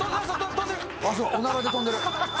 おならで跳んでる。